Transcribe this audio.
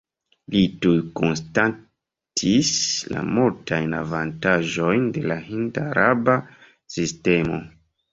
Li tuj konstatis la multajn avantaĝojn de la hind-araba sistemo.